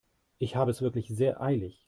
Ich habe es wirklich sehr eilig.